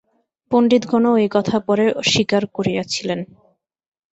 পণ্ডিতগণও ঐ কথা পরে স্বীকার করিয়াছিলেন।